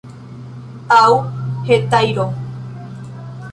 Aŭ hetajro!